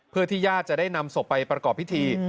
เพื่อที่ญาติจะได้นำศพไปประกอบพิธี